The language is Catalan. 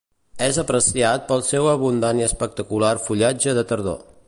És apreciat pel seu abundant i espectacular fullatge de tardor.